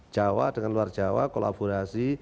jawa dengan luar jawa kolaborasi